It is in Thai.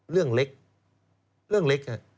เรื่องเล็กเรื่องเล็ก